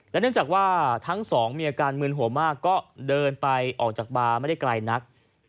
เนื่องจากว่าทั้งสองมีอาการมืนหัวมากก็เดินไปออกจากบาร์ไม่ได้ไกลนัก